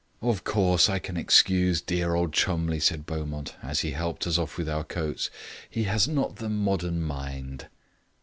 "Of course, I can excuse dear old Cholmondeliegh," said Beaumont, as he helped us off with our coats. "He has not the modern mind."